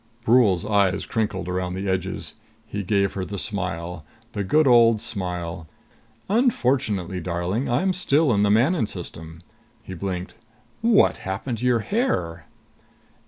Brule's eyes crinkled around the edges. He gave her the smile. The good old smile. "Unfortunately, darling, I'm still in the Manon System." He blinked. "What happened to your hair?"